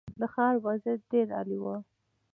د ښار وضعیت ډېر عالي و.